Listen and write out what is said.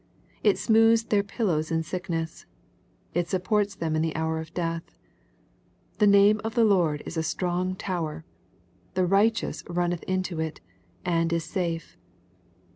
It smooths their pillows in sickness. It supports them in the hour of death. " The name of the Lord is a strong tower ; the righteous runneth into it, and is safe."